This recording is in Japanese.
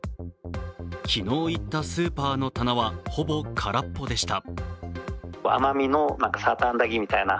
昨日行ったスーパーの棚はほぼ空っぽでした。